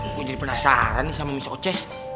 gue jadi penasaran nih sama miss oces